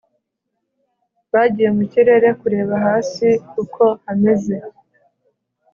bagiye mu kirere kureba hasi uko hameze.